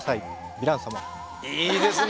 いいですね。